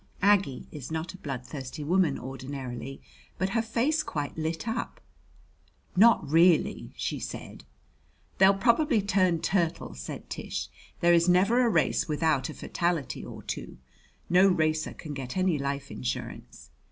Aggie is not a bloodthirsty woman ordinarily, but her face quite lit up. "Not really!" she said. "They'll probably turn turtle," said Tish. "There is never a race without a fatality or two. No racer can get any life insurance.